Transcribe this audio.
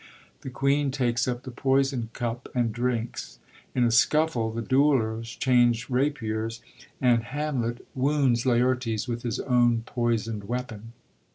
The queen takes up the poisond cup and drinks. In a scuffle the duellers change rapiers, and Hamlet 119 MEASURE FOR MEASURE wounds Laertes with his own poisond weapon.